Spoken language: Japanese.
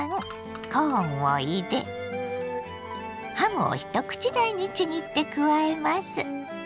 コーンを入れハムを一口大にちぎって加えます。